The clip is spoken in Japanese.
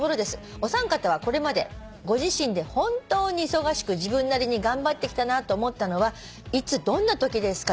「お三方はこれまでご自身で本当に忙しく自分なりに頑張ってきたなと思ったのはいつどんなときですか？